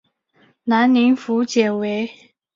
南宁府解围。